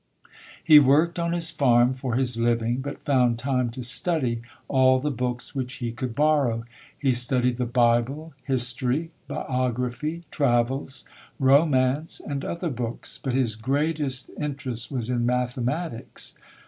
He worked on his farm for his living, but found time to study all the books which he could borrow. He studied the Bible, history, biography, travels, romance, and other books, but his greatest interest was in mathematics.